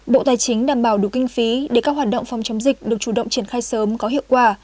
bộ tài chính đảm bảo đủ kinh phí để các hoạt động phòng chống dịch được chủ động triển khai sớm có hiệu quả